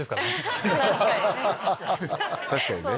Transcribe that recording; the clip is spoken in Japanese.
確かにね。